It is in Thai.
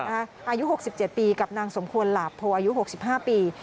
อายุ๖๗ปีกับนางสมควรหลาโพอายุ๖๕ปี